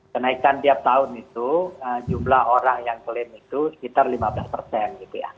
kenaikan tiap tahun itu jumlah orang yang klaim itu sekitar lima belas persen